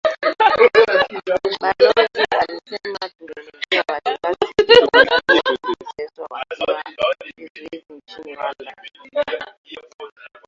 Balozi alisema, tulielezea wasiwasi wetu kuhusu watu kuteswa wakiwa kizuizini nchini Rwanda